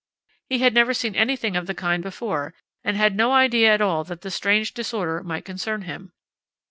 He had never seen anything of the kind before and had no idea at all that the strange disorder might concern him.